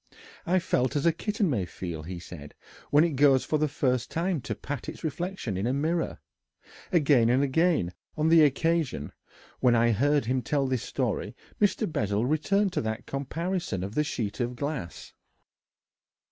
"I felt as a kitten may feel," he said, "when it goes for the first time to pat its reflection in a mirror." Again and again, on the occasion when I heard him tell this story, Mr. Bessel returned to that comparison of the sheet of glass.